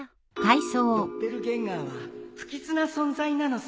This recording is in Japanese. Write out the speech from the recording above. ドッペルゲンガーは不吉な存在なのさ